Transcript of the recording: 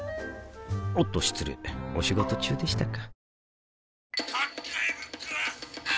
おっと失礼お仕事中でしたか